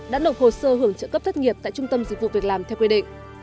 đã nộp hồ sơ hưởng trợ cấp thất nghiệp tại trung tâm dịch vụ việc làm theo quy định